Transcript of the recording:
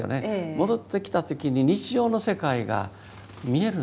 戻ってきた時に日常の世界が見える。